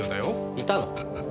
いたの？